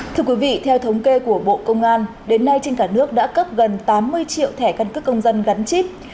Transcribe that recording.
thưa quý vị theo thống kê của bộ công an đến nay trên cả nước đã cấp gần tám mươi triệu thẻ căn cước công dân gắn chip